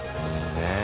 ねえ。